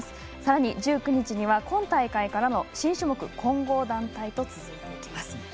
さらに１９日には今大会からの新種目混合団体と続いていきます。